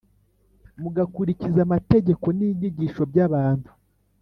mugakurikiza amategeko n’inyigisho by’abantu